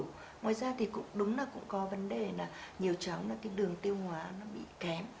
ngoài ra thì cũng đúng là cũng có vấn đề là nhiều cháu là cái đường tiêu hóa nó bị kém